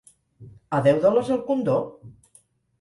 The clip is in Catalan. A deu dòlars el condó?